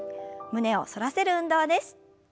胸を反らせる運動です。